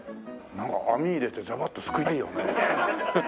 なんか網入れてザバッとすくいたいよね。